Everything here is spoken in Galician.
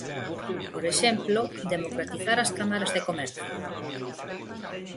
Por exemplo, democratizar as cámaras de comercio.